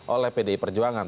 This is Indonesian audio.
oleh pdi perjuangan